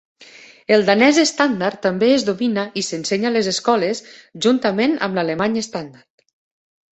El danès estàndard també es domina i s'ensenya a les escoles juntament amb l'alemany estàndard.